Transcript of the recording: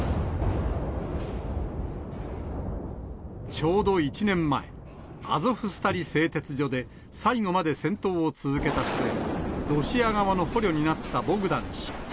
ちょうど１年前、アゾフスタリ製鉄所で最後まで戦闘を続けた末、ロシア側の捕虜になったボグダン氏。